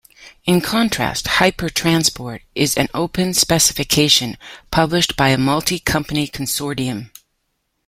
In contrast, HyperTransport is an open specification, published by a multi-company consortium.